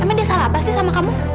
emang dia salah apa sih sama kamu